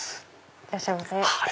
いらっしゃいませ。